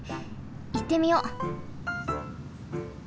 いってみよう！